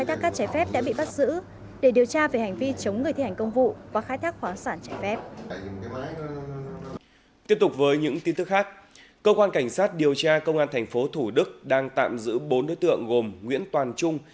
tiếp tục với những tin tức khác cơ quan cảnh sát điều tra công an thành phố thủ đức đang tạm giữ bốn đối tượng gồm nguyễn toàn trung